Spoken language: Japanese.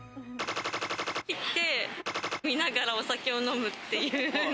行って見ながらお酒を飲むっていう。